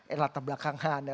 eh latar belakangannya